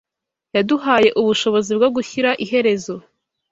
yaduhaye ubushobozi bwo gushyira iherezo